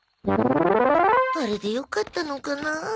あれでよかったのかなあ。